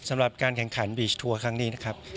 สำหรับการแข่งขันบีชทัวร์ครั้งนี้นะครับ